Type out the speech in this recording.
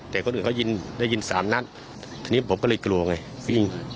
แต่คนอื่นเขายินได้ยินสามนัดทีนี้ผมก็เลยกลัวไง